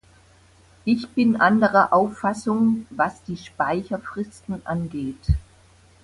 Ich bin anderer Auffassung, was die Speicherfristen angeht.